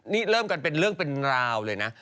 นี่เริ่มกันเป็นเรื่องเป็นราวเลยนะ